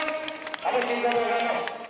安倍晋三でございます。